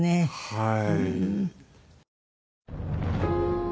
はい。